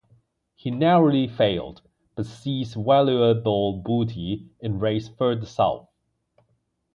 He narrowly failed, but seized valuable booty in raids further south.